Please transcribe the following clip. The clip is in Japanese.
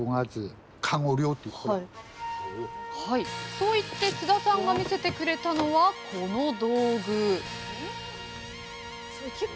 そう言って津田さんが見せてくれたのはこの道具